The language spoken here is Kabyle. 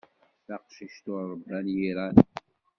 D taqcict ur ṛebban yiran.